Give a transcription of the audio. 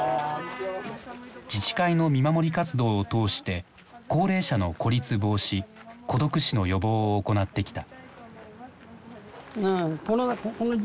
自治会の見守り活動を通して高齢者の孤立防止孤独死の予防を行ってきた。